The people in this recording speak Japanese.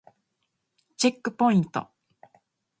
チェックポイント